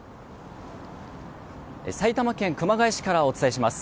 埼玉県熊谷市からお伝えします。